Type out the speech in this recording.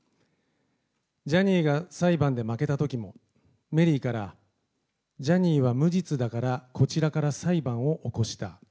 ジャニーが裁判で負けたときも、メリーからジャニーは無実だからこちらから裁判を起こした。